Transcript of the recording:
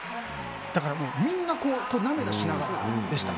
だから、みんな涙しながらでした。